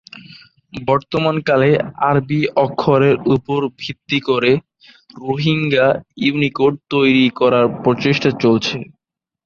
বর্তমানকালে আরবি অক্ষরের উপর ভিত্তি করে রোহিঙ্গা ইউনিকোড তৈরী করার প্রচেষ্টা চলছে।